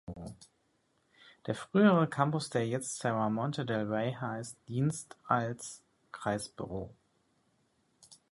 Der frühere Campus, der jetzt Serramonte Del Rey heißt, dienst als Kreisbüro.